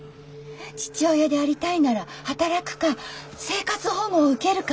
父親でありたいなら働くか生活保護を受けるか。